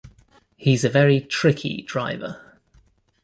He's a very tricky driver.